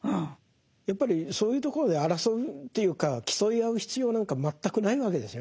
やっぱりそういうところで争うというか競い合う必要なんか全くないわけですよね。